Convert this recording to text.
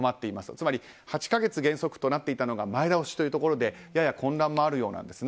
つまり、８か月原則となっていたのが前倒しというところでやや混乱もあるようなんですね。